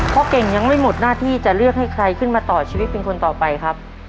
พ่อเก่งยังไม่หมดหน้าที่จะเลือกให้ใครขึ้นมาต่อชีวิตเป็นคนต่อไปครับ